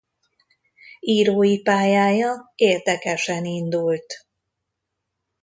Írói pályája érdekesen indult.